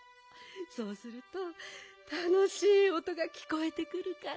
そうするとたのしいおとがきこえてくるから。